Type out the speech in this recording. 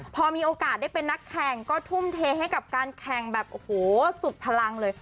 พอมีโอกาสได้เป็นนักแข่งก็ทุ่มเทให้กับการแข่งแบบโอ้โหสุดพลังเลย